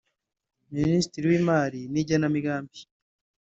Ministiri w’imari n’igenamigambi